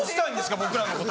僕らのこと。